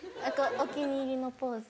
お気に入りのポーズ。